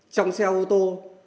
trong xe ô tô